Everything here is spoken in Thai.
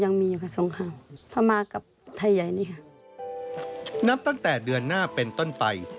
นับตั้งแต่เดือนหน้าเป็นต้นไป